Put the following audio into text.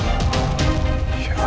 dia udah bebas ternyata